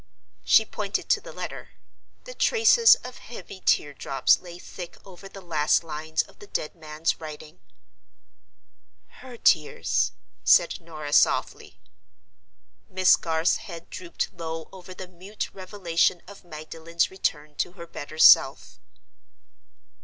She pointed to the letter. The traces of heavy tear drops lay thick over the last lines of the dead man's writing. "Her tears," said Norah, softly. Miss Garth's head drooped low over the mute revelation of Magdalen's return to her better self.